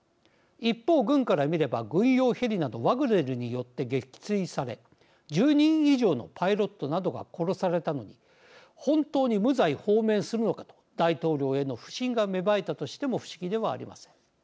一方、軍から見れば軍用ヘリなどワグネルによって撃墜され１０人以上のパイロットなどが殺されたのに本当に無罪放免するのかと大統領への不信が芽生えたとしても不思議ではありません。